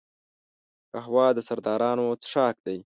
قهوه د سردارانو څښاک دی